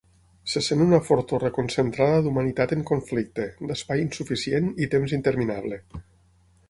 Se sent una fortor reconcentrada d'humanitat en conflicte, d'espai insuficient i temps interminable.